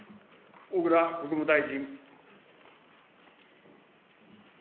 小倉国務大臣。